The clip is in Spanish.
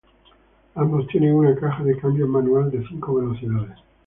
Ambos tienen una caja de cambios manual de cinco velocidades.